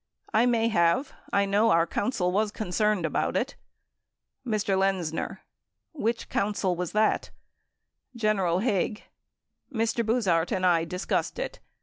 I may have. I know our counsel was concerned about it. Mr. Lexzxer. Which counsel was that ? General Haig. Mr. Buzhardt and I discussed it.